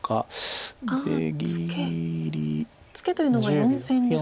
ツケというのは４線ですか。